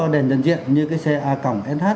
đèn dần diện như cái xe a cộng sh